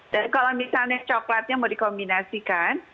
dan kalau misalnya coklatnya mau dikombinasikan